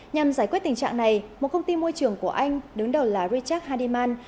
nhằm giải quyết tình trạng này một công ty môi trường của anh đứng đầu là richard hardiman